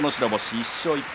１勝１敗。